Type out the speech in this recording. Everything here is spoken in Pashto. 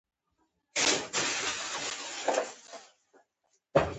د لرګیو د پرې کولو صنعت په نړۍ کې پراخ دی.